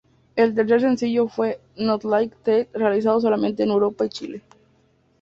El tercer sencillo fue "Not Like That" realizado solamente en Europa y Chile.